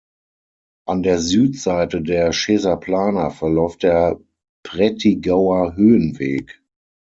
An der Südseite der Schesaplana verläuft der Prättigauer Höhenweg.